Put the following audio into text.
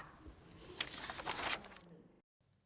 สิ่งที่เกิดขึ้นค่ะ